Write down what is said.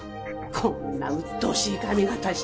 こんなうっとうしい髪形して。